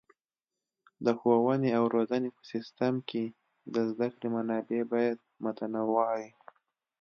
د ښوونې او روزنې په سیستم کې د زده کړې منابع باید متنوع وي.